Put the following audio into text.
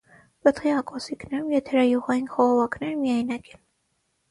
Պտղի ակոսիկներում եթերայուղային խողովակները միայնակ են։